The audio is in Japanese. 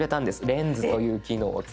レンズという機能を使って。